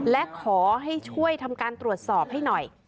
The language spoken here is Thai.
และขอให้ช่วยทำการตรวจสอบให้หน่อย